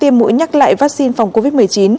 tiêm mũi nhắc lại vaccine phòng covid một mươi chín